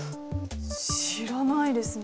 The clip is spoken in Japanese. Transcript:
知らないですね。